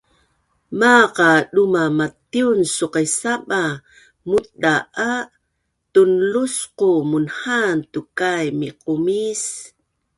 Maaq a duma matiun suqis saba nutda’ a tunlusqu munhaan tukai miqumis